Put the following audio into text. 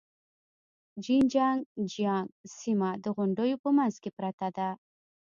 جين چنګ جيانګ سيمه د غونډيو په منځ کې پرته ده.